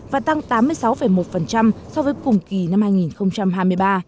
và tăng tám mươi sáu một so với cùng kỳ năm hai nghìn hai mươi ba